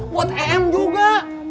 buat em juga